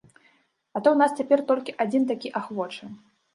А то ў нас цяпер толькі адзін такі ахвочы.